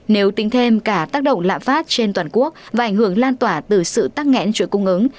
nếu tính thêm cả tác động lạm phát trên toàn quốc và ảnh hưởng lan tỏa từ sự tắc nghẽn chuỗi cung ứng